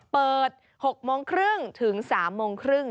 เปิด๖โมงครึ่งถึง๓โมงครึ่ง